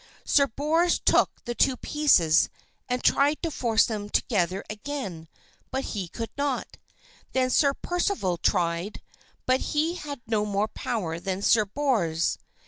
Sir Bors took the two pieces and tried to force them together again, but he could not. Then Sir Percival tried, but he had no more power than Sir Bors.